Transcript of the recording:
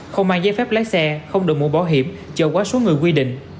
không mang giấy phép lái xe không đồn mua bỏ hiểm chờ quá số người quy định